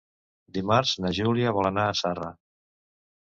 Dimarts na Júlia vol anar a Zarra.